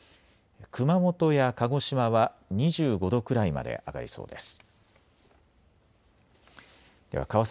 熊本や鹿児島は２５度くらいまで上がりそうです。